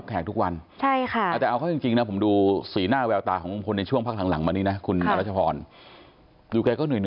ทุกวันแต่เอาเข้าจริงนะผมดูสีหน้าแววตาของลุงพลในช่วงพักหลังมานี้นะคุณรัชพรดูแกก็เหนื่อย